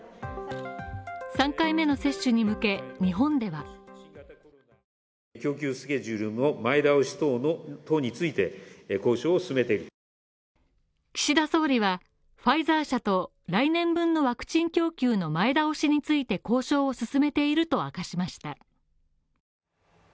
３回目の接種に向け、日本では岸田総理はファイザー社と来年分のワクチン供給の前倒しについて交渉を進めていると明かしました。